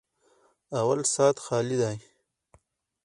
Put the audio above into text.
_اول سات خالي دی.